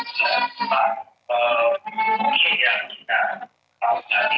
nah seperti yang kita tahu tadi